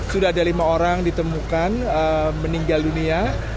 sudah ada lima orang ditemukan meninggal dunia